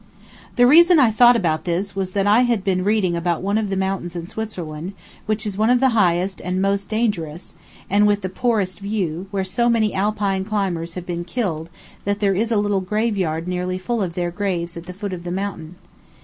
The reason I thought about this was that I had been reading about one of the mountains in Switzerland, which is one of the highest and most dangerous, and with the poorest view, where so many Alpine climbers have been killed that there is a little graveyard nearly full of their graves at the foot of the mountain.